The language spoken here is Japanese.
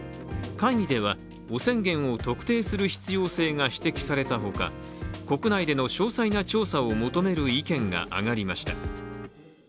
会議では汚染源を特定する必要性が指摘されたほか、国内での詳細な調査を求める意見が上がりました。